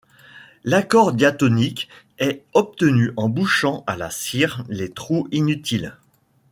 L'accord diatonique est obtenu en bouchant à la cire les trous inutiles.